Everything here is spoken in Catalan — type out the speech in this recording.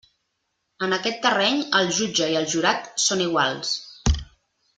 En aquest terreny, el jutge i el jurat són iguals.